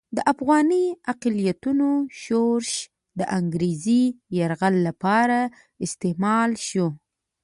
د افغاني اقلیتونو شورش د انګریزي یرغل لپاره استعمال شو.